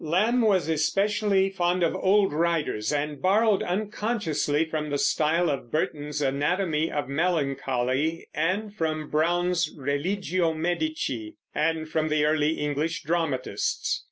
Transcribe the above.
Lamb was especially fond of old writers and borrowed unconsciously from the style of Burton's Anatomy of Melancholy and from Browne's Religio Medici and from the early English dramatists.